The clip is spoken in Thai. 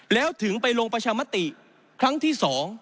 แล้วถึงไปลงประชามติครั้งที่๒